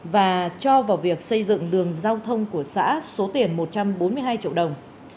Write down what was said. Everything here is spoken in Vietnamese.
và cho vào việc xây dựng đường giao thông của xã số tiền một trăm bốn mươi hai triệu đồng